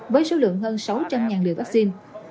với số lượng hơn sáu trăm linh liều vaccine